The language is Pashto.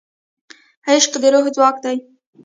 عشق د روح ځواک دی.